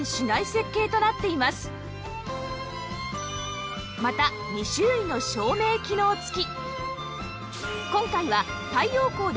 さらにまた２種類の照明機能付き